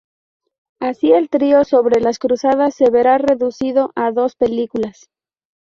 Así el trío sobre las Cruzadas se verá reducido a dos películas.